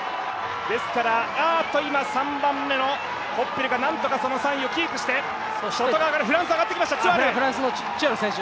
ですから、３番目のホッペルがなんとかその３位をキープしてここから上がる、フランスが上がりましたチュアル！